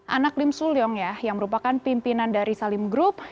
anak lim sulyong ya yang merupakan pimpinan dari salim group